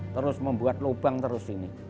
terus membuat lubang terus ini